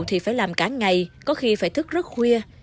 thì phải làm cả ngày có khi phải thức rất khuya